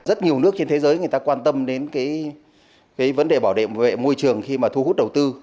rất nhiều nước trên thế giới người ta quan tâm đến cái vấn đề bảo đảm vệ môi trường khi mà thu hút đầu tư